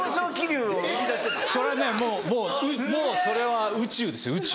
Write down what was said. もうそれは宇宙ですよ宇宙。